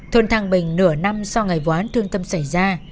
thuần thăng bình nửa năm sau ngày võ án thương tâm xảy ra